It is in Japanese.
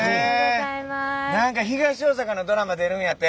何か東大阪のドラマ出るんやて。